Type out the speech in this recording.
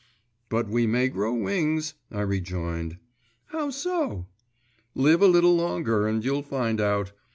'But we may grow wings,' I rejoined. 'How so?' 'Live a little longer and you'll find out.